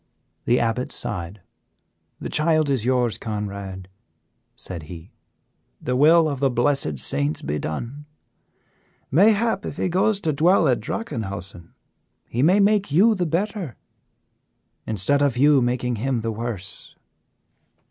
The Abbot sighed. "The child is yours, Conrad," said he, "the will of the blessed saints be done. Mayhap if he goes to dwell at Drachenhausen he may make you the better instead of you making him the worse."